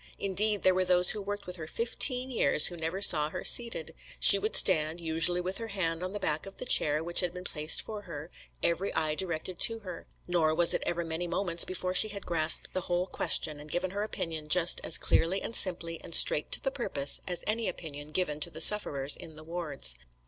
Indeed, there were those who worked with her fifteen years who never saw her seated; she would stand, usually with her hand on the back of the chair which had been placed for her, every eye directed to her; nor was it ever many moments before she had grasped the whole question, and given her opinion just as clearly and simply and straight to the purpose as any opinion given to the sufferers in the wards.